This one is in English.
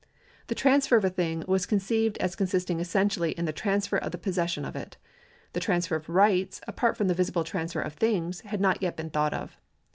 The transfer of a thing was conceived as consisting essentially in the transfer of the possession of it. The transfer of rights, apart from the visible transfer of things, had not yet been thought of.